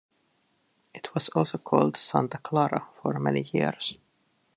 It was also called Santa Clara for many years.